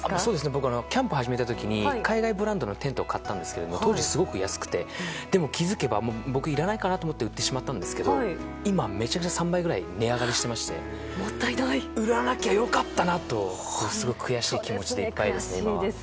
僕、キャンプ始めた時に海外ブランドのテントを買ったんですが当時、すごく安くてでも気づけば僕いらないかなと思って売ってしまったんですけど今めちゃくちゃ３倍くらい値上がりしてまして売らなきゃよかったなとすごく悔しい気持ちでいっぱいです。